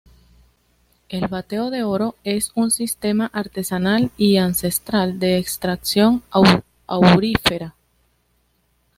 El bateo de oro es un sistema artesanal y ancestral de extracción aurífera.